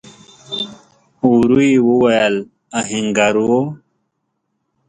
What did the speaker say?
ورو يې وويل: آهنګر و؟